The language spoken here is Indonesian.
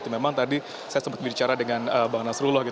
memang tadi saya sempat berbicara dengan bang nasrullah